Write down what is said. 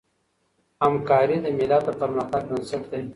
همکاري د ملت د پرمختګ بنسټ دی.